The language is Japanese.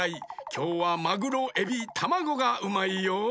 きょうはマグロエビタマゴがうまいよ。